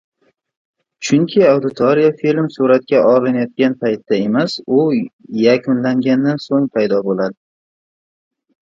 Chunki auditoriya film suratga olinayotgan paytda emas, u yakunlagandan so‘ng paydo bo‘ladi.